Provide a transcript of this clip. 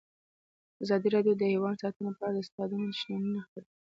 ازادي راډیو د حیوان ساتنه په اړه د استادانو شننې خپرې کړي.